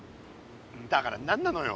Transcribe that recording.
だから何なのよ。